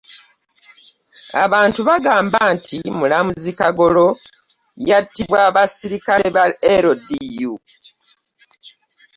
Abantu bagamba nti mulamuzi Kagolo yattibwa basirikale ba LDU.